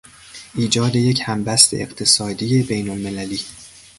ایجاد یک همبست اقتصادی بین المللی